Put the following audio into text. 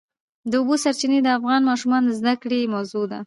د اوبو سرچینې د افغان ماشومانو د زده کړې موضوع ده.